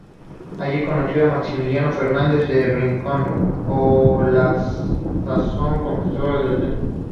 Allí conoció a Maximiliano Fernández del Rincón, a la sazón confesor del centro.